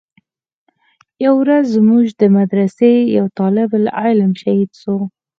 يوه ورځ زموږ د مدرسې يو طالب العلم شهيد سو.